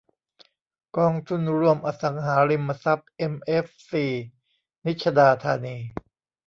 กองทุนรวมอสังหาริมทรัพย์เอ็มเอฟซี-นิชดาธานี